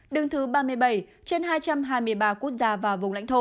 đứng thứ ba mươi bảy trên hai trăm hai mươi ba quốc gia và vùng lãnh thổ